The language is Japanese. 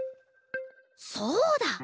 そうだ！